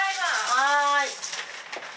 はい。